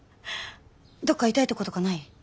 どっか痛いとことかない？